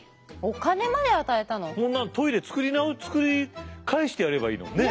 トイレ作り返してやればいいのにね！